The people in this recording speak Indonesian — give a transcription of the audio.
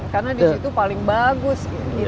karena disitu paling bagus